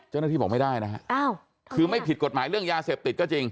เจ้าหน้าที่บอกไม่ได้นะฮะอ้าวคือไม่ผิดกฎหมายเรื่องยาเสพติดก็จริง